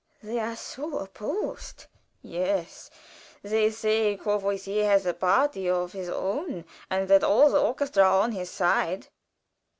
"They are so opposed." "Yes. They say Courvoisier has a party of his own, and that all the orchestra are on his side."